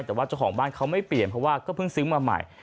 แต่ว่าเจ้าของบ้านเขาไม่เปลี่ยนเพราะว่าก็เพิ่งซื้อมาใหม่